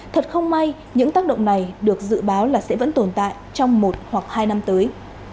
thật không may những tác động này được dự báo là sẽ vẫn tồn tại trong một hoặc hai năm tới